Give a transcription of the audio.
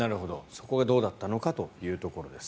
そこがどうだったのかというところです。